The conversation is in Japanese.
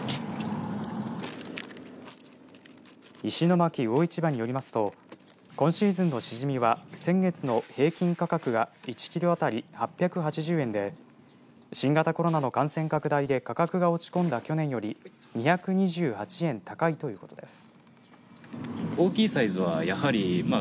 石巻魚市場によりますと今シーズンのシジミは先月の平均価格が１キロ当たり８８０円で新型コロナの感染拡大で価格が落ち込んだ去年より２２８円高いということです。